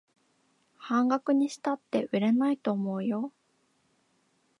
半額にしたって売れないと思うよ